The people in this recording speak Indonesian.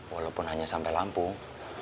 walaupun hanya sampai lampung